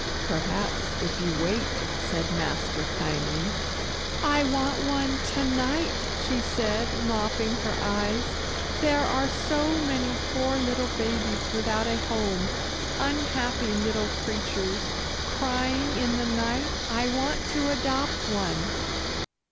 "Perhaps, if you wait," said master kindly. "I want one to night," she said mopping her eyes. "There are so many poor little babies without a home unhappy little creatures, crying in the night. I want to adopt one."